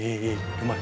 うまい。